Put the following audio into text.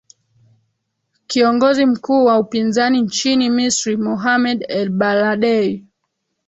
kiongozi mkuu wa upinzani nchini misri mohamed elbaladei